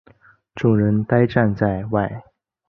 众人呆站在外